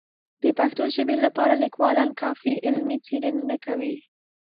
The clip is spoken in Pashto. د پښتو ژبې لپاره لیکوالان کافي علمي څېړنې نه کوي.